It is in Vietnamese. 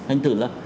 anh tưởng là